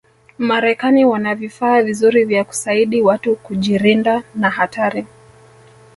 marekani wana vifaa vizuri vya kusaidi watu kujirinda na hatari